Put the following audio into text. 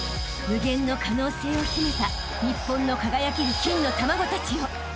［無限の可能性を秘めた日本の輝ける金の卵たちよ］